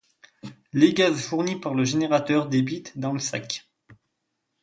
Les gaz fournis par le générateur débitent dans le sac.